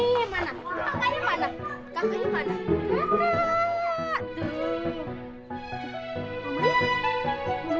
ya saya bisa menunggunya